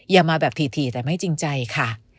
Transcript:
อย่ามาแบบถี่แต่ไม่จริงใจค่ะ